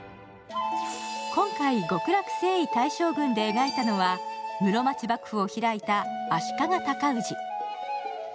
今回「極楽征夷大将軍」で描いたのは、室町幕府を開いた足利尊氏。